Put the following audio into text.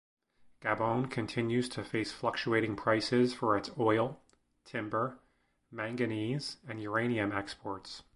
Gabon continues to face fluctuating prices for its oil, timber, manganese, and uranium exports.